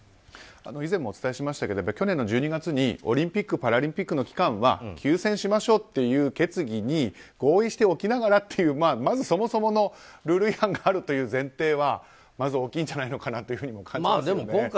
以前もお伝えしましたが去年の１２月にオリンピック・パラリンピックの期間は休戦しましょうという決議に合意しておきながらというまず、そもそものルール違反があるという前提はまず大きいんじゃないかと感じますよね。